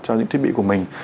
của những cái thiết bị của mình